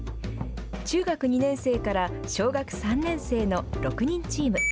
中学２年生から小学３年生の６人チーム。